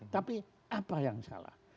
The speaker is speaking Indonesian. tapi apa yang salah